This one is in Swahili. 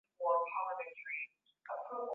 ni kati ya mwezi wa kumi na mbili na mwezi wa pili